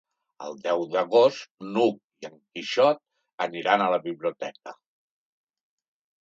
El deu d'agost n'Hug i en Quixot aniran a la biblioteca.